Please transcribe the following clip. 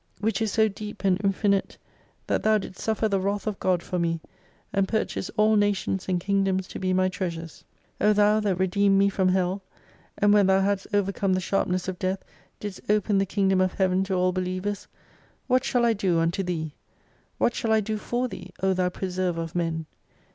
Which is so deep and infinite, that Thou didst suffer the wrath of GOD for me : And purchase all nations and Kingdoms to be my treasures. O Thou that redeemed me from Hell, and when Thou hadst overcome the sharpness of Death didst open the King dom of Heaven to all believers ; what shall I do unto Thee ? What shall I do for Thee, O Thou preserver of Men